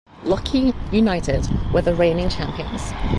Lochee United were the reigning champions.